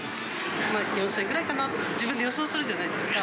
４０００円ぐらいかなって、自分で予想するじゃないですか。